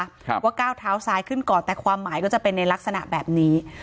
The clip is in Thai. ครับว่าก้าวเท้าซ้ายขึ้นก่อนแต่ความหมายก็จะเป็นในลักษณะแบบนี้